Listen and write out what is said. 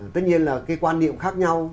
tất nhiên là cái quan niệm khác nhau